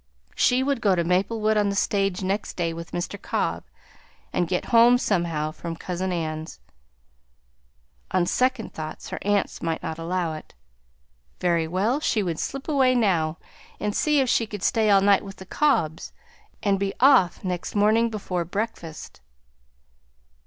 She would go to Maplewood on the stage next day with Mr. Cobb and get home somehow from cousin Ann's. On second thoughts her aunts might not allow it. Very well, she would slip away now and see if she could stay all night with the Cobbs and be off next morning before breakfast.